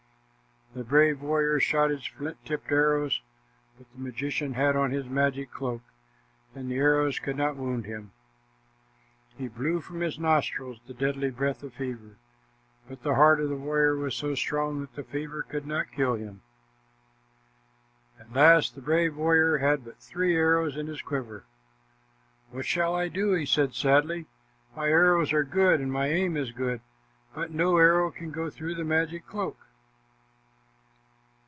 The brave warrior shot his flint tipped arrows, but the magician had on his magic cloak, and the arrows could not wound him. He blew from his nostrils the deadly breath of fever, but the heart of the warrior was so strong that the fever could not kill him. At last the brave warrior had but three arrows in his quiver. "What shall I do?" he said sadly. "My arrows are good and my aim is good, but no arrow can go through the magic cloak."